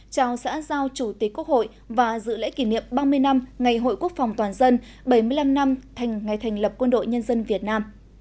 chào xã giao chủ tịch quốc hội và dự lễ kỷ niệm ba mươi năm ngày hội quốc phòng toàn dân bảy mươi năm năm ngày thành lập quân đội nhân dân việt nam